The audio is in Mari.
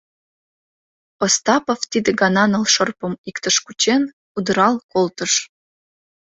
Остапов, тиде гана ныл шырпым иктыш кучен, удырал колтыш.